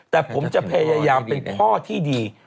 แต่ผมจะพยายามเป็นพ่อที่ดี